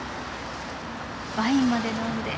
ワインまで飲んで。